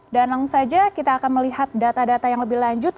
dan langsung saja kita akan melihat data data yang lebih lanjut